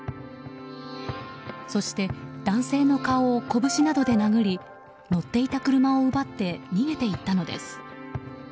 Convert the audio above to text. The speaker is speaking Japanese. そして、男性の顔を拳などで殴り乗っていた車を奪って逃げていったのです。